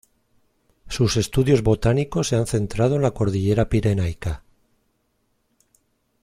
Sus estudios botánicos se han centrado en la cordillera pirenaica.